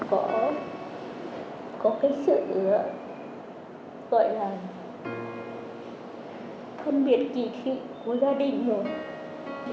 chưa có cái nhận thức thì em là có cái sự gọi là không biết kỳ thị của gia đình rồi